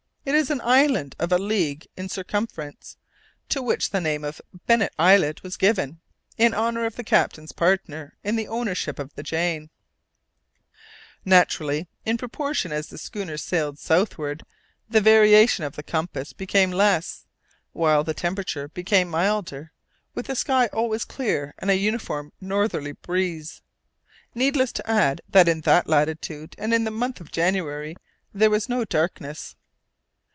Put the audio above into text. It is an island of a league in circumference, to which the name of Bennet Islet was given, in honour of the captain's partner in the ownership of the Jane. Naturally, in proportion as the schooner sailed southwards the variation of the compass became less, while the temperature became milder, with a sky always clear and a uniform northerly breeze. Needless to add that in that latitude and in the month of January there was no darkness.